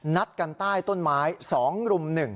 นัดกันใต้ต้นไม้สองรุมหนึ่ง